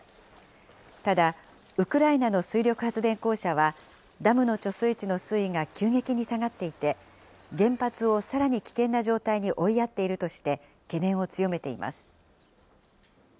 ただ、ウクライナの水力発電公社は、ダムの貯水池の水位が急激に下がっていて、原発をさらに危険な状態に追いやっているとして、懸念を強めています。